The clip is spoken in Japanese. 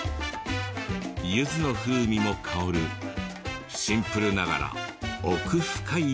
柚子の風味も香るシンプルながら奥深い一杯。